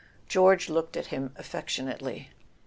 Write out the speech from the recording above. George looked at him affectionately.